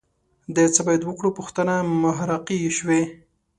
د څه باید وکړو پوښتنه محراقي شوه